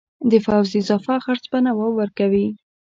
د پوځ اضافه خرڅ به نواب ورکوي.